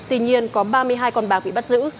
tuy nhiên có ba mươi hai con bạc bị bắt giữ